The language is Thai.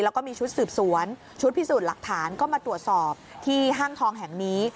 แล้วก็มีชุดสืบสวนชุดพิสูจน์หลักฐานก็มาตรวจสอบที่ห้างทองแห่งนี้